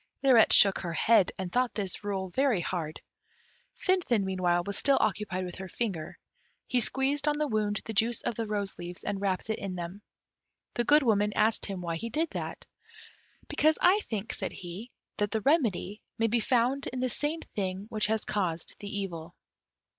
Lirette shook her head, and thought this rule very hard. Finfin meanwhile was still occupied with her finger; he squeezed on the wound the juice of the rose leaves, and wrapped it in them. The Good Woman asked him why he did that? "Because I think," said he, "that the remedy may be found in the same thing which has caused the evil."